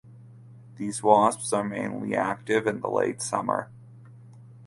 These wasps are mainly active in the late summer.